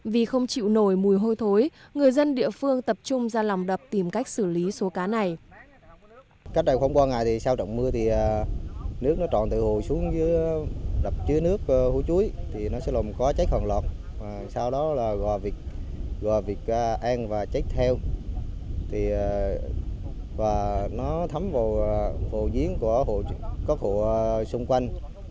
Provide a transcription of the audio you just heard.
vì không chịu nổi mùi hôi thối người dân địa phương tập trung ra lòng đập tìm cách xử lý số cá này